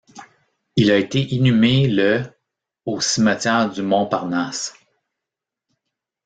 Il a été inhumé le au cimetière du Montparnasse.